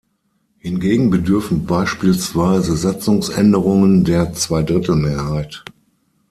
Hingegen bedürfen beispielsweise Satzungsänderungen der Zweidrittelmehrheit.